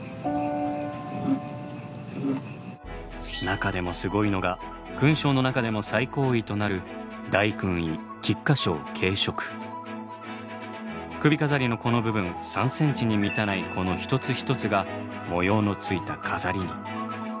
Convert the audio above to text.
中でもすごいのが勲章の中でも最高位となる首飾りのこの部分３ｃｍに満たないこの一つ一つが模様のついた飾りに。